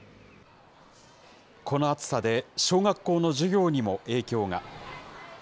この暑さで、小学校の授業にも影響が。